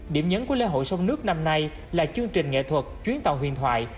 điểm nhấn của lễ hội sông nước năm nay là chương trình nghệ thuật chuyến tàu huyền thoại